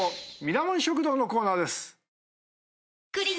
ミラモン食堂のコーナーです。